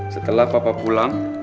setelah papa pulang